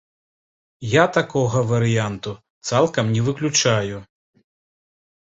Я такога варыянту цалкам не выключаю.